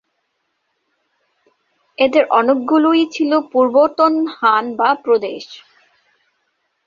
এদের অনেকগুলোই ছিল পূর্বতন হান বা প্রদেশ।